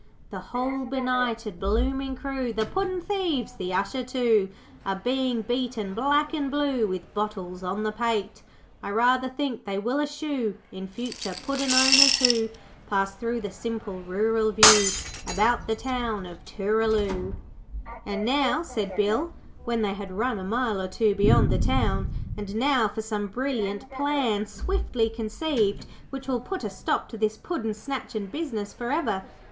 'The whole benighted, blooming crew, The Puddin' thieves, the Usher too, Are being beaten black and blue With bottles on the pate. 'I rather think they will eschew, In future, Puddin' owners who Pass through the simple rural view About the town of Tooraloo.' 'And now,' said Bill, when they had run a mile or two beyond the town, 'and now for some brilliant plan, swiftly conceived, which will put a stop to this Puddin' snatchin' business for ever.